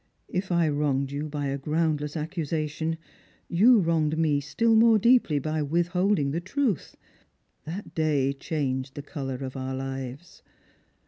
" If I wronged you by a groundless accusation, you wronged me still more deeply by withholding the truth. That day changed the colour of our lives.